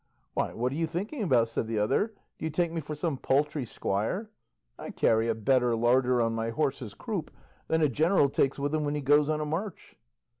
"Why, what are you thinking about?" said the other; "do you take me for some paltry squire? I carry a better larder on my horse's croup than a general takes with him when he goes on a march."